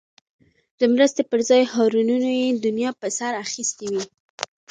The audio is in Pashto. د مرستې پر ځای هارنونو یې دنیا په سر اخیستی وي.